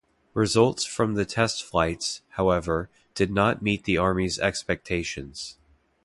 Results from the test flights, however, did not meet the army's expectations.